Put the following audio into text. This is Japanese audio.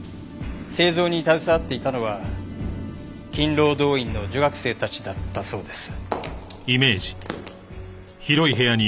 製造に携わっていたのは勤労動員の女学生たちだったそうです。